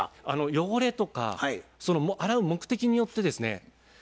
汚れとか洗う目的によってですね